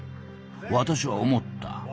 私は思った。